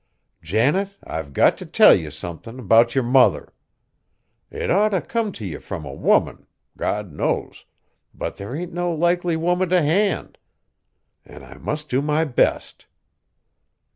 Janet, I've got t' tell ye somethin' 'bout yer mother! It oughter come to ye from a woman, God knows, but there ain't no likely woman t' hand, an' I must do my best.